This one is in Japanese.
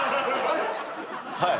はい